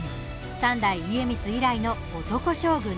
３代・家光以来の男将軍です。